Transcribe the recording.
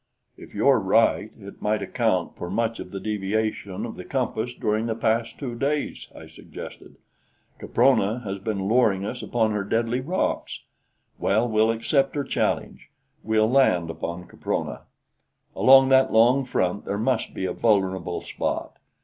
"If you are right, it might account for much of the deviation of the compass during the past two days," I suggested. "Caprona has been luring us upon her deadly rocks. Well, we'll accept her challenge. We'll land upon Caprona. Along that long front there must be a vulnerable spot.